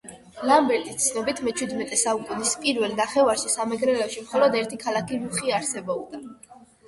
ლამბერტის ცნობით მეჩვიდმეტე საუკუნის პირველ ნახევარში სამეგრელოში მხოლოდ ერთი ქალაქი რუხი არსებობდა